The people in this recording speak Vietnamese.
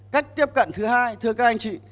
cách tiếp cận thứ hai thưa các anh chị